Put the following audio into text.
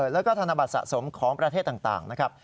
แล้วก็ธนบัตรสะสมของประเทศต่างนะครับ